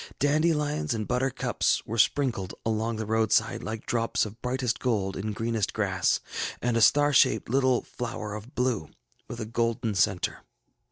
Dandelions and butterflies were sprinkled along the roadside like drops of brightest gold in greenest grass, and a star shaped little flower of blue, with a golden centre.